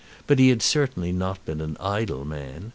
But he had certainly not been an idle man.